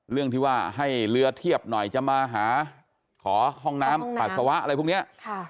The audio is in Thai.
เรื่องที่ว่าให้เรือเทียบหน่อยจะมาหาขอห้องน้ำปัสสาวะอะไรพวกนี้